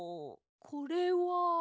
これは。